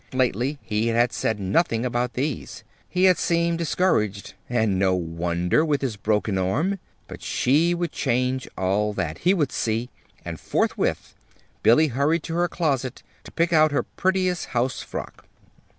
Lately he had said nothing about these. He had seemed discouraged and no wonder, with his broken arm! But she would change all that. He should see! And forthwith Billy hurried to her closet to pick out her prettiest house frock.